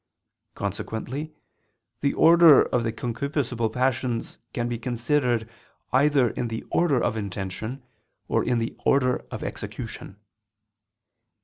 Consequently the order of the concupiscible passions can be considered either in the order of intention or in the order of execution.